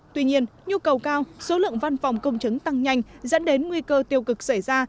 tuy nhiên nhu cầu cao số lượng văn phòng công chứng tăng nhanh dẫn đến nguy cơ tiêu cực xảy ra